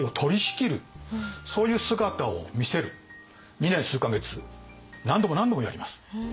２年数か月何度も何度もやります。